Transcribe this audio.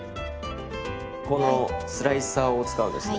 このスライサーを使うんですね。